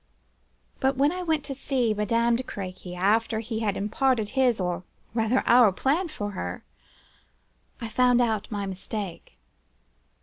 "But when I went to Madame de Crequy—after he had imparted his, or rather our plan to her—I found out my mistake.